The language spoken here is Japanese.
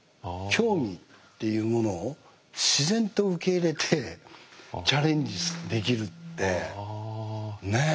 興味っていうものを自然と受け入れてチャレンジできるってねえ？